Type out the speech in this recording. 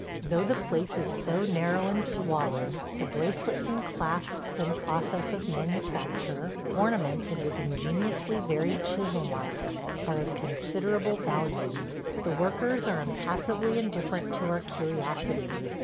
Though the place is so narrow and squalid, the bracelets and clasps in process of manufacture – ornamented with ingeniously varied chisel marks – are of considerable value. The workers are impassively indifferent to our curiosity.